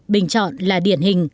bình chọn là điển hình